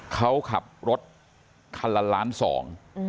เขาขับรถคันละล้านสอง